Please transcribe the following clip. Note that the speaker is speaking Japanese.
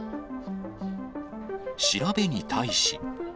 調べに対し。